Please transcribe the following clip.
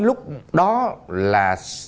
lúc đó là